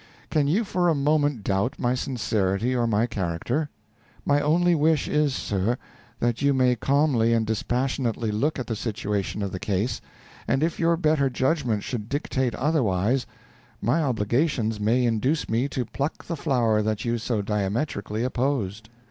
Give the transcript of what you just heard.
Can you for a moment doubt my sincerity or my character? My only wish is, sir, that you may calmly and dispassionately look at the situation of the case, and if your better judgment should dictate otherwise, my obligations may induce me to pluck the flower that you so diametrically opposed.